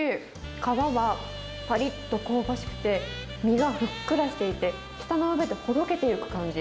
皮はぱりっと香ばしくて、身がふっくらしていて、舌の上でほどけてゆく感じ。